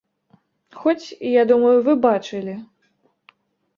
Хоць, я думаю, вы бачылі.